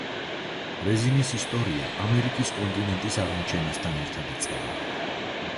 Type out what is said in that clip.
რეზინის ისტორია ამერიკის კონტინენტის აღმოჩენასთან ერთად იწყება.